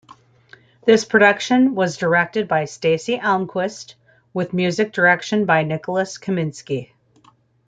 This production was directed by Staci Almquist with Music Direction by Nicholas Kaminski.